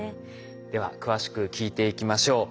では詳しく聞いていきましょう。